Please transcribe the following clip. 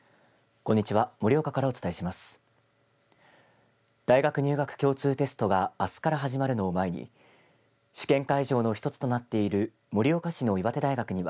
こんにちは。